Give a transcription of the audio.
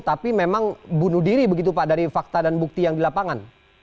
tapi memang bunuh diri begitu pak dari fakta dan bukti yang di lapangan